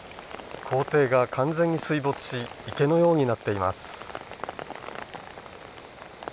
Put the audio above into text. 校庭が完全に水没し池のようになっています。